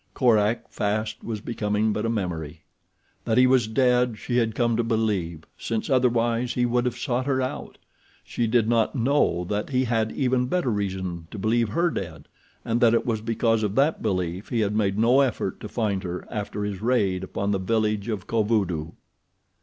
Korak fast was becoming but a memory. That he was dead she had come to believe, since otherwise he would have sought her out. She did not know that he had even better reason to believe her dead, and that it was because of that belief he had made no effort to find her after his raid upon the village of Kovudoo.